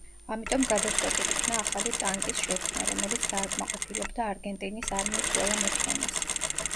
ამიტომ გადაწყვეტილ იქნა ახალი ტანკის შექმნა, რომელიც დააკმაყოფილებდა არგენტინის არმიის ყველა მოთხოვნას.